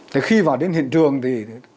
thế khi vào đến hiện trường thì